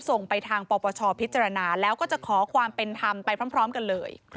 ส่งไปทางปปชพิจารณาแล้วก็จะขอความเป็นธรรมไปพร้อมกันเลย